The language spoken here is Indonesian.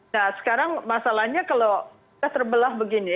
nah sekarang masalahnya kalau sudah terbelah begini